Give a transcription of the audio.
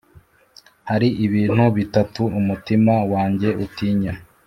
Hari ibintu bitatu umutima wanjye utinya,